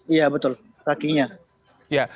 iya betul kakinya